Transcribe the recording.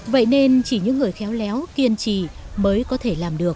vậy nên chỉ những người khéo léo kiên trì mới có thể làm được